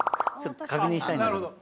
ちょっと確認したい。